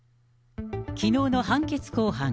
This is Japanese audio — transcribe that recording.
きのうの判決公判。